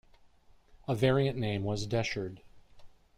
A variant name was "Decherd".